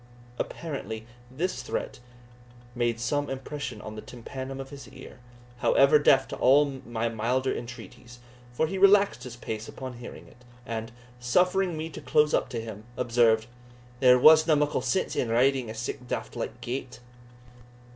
Apparently this threat made some impression on the tympanum of his ear, however deaf to all my milder entreaties; for he relaxed his pace upon hearing it, and, suffering me to close up to him, observed, "There wasna muckle sense in riding at sic a daft like gate."